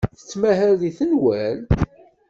Tettmahal deg tenwalt?